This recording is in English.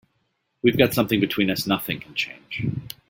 We've got something between us nothing can change.